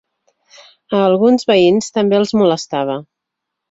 A alguns veïns també els molestava.